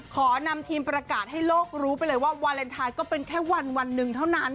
ขอนำทีมประกาศให้โลกรู้ไปเลยว่าวาเลนไทยก็เป็นแค่วันหนึ่งเท่านั้น